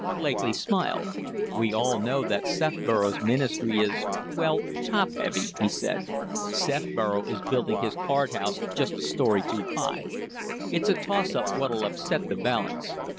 Lakely smiled. "We all know that Sefborough's ministry is well, top heavy," he said. "Sefborough is building his card house just a story too high. It's a toss up what 'll upset the balance.